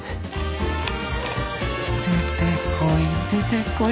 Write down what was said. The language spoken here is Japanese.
出てこい出てこい